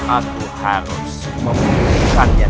aku harus memulihkannya